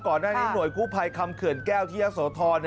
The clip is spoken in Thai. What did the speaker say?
ก่อนหน้านี้หน่วยกู้ภัยคำเขื่อนแก้วที่ยะโสธร